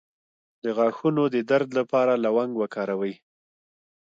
د غاښونو د درد لپاره لونګ وکاروئ